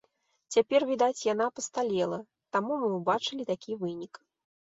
Цяпер, відаць, яна пасталела, таму мы ўбачылі такі вынік.